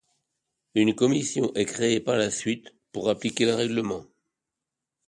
Une commission est créée par la suite pour appliquer le règlement.